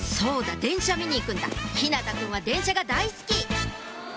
電車見に行くんだ日向汰くんは電車が大好き！